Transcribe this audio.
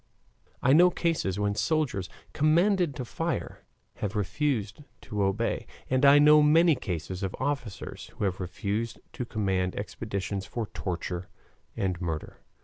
I know cases when soldiers, commanded to fire, have refused to obey, and I know many cases of officers who have refused to command expeditions for torture and murder.